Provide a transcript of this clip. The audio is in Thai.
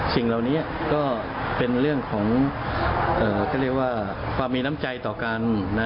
สิ่งเหล่านี้ก็เป็นเรื่องของเขาเรียกว่าความมีน้ำใจต่อกัน